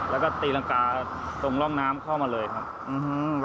แล้วก็ตีรังกาตรงร่องน้ำเข้ามาเลยครับอืม